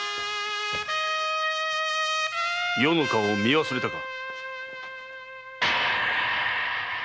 余の顔を見忘れたか？